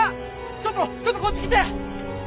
ちょっとちょっとこっち来て！